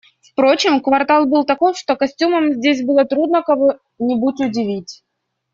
Впрочем, квартал был таков, что костюмом здесь было трудно кого-нибудь удивить.